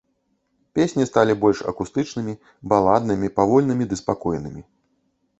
Песні сталі больш акустычнымі, баладнымі, павольнымі ды спакойнымі.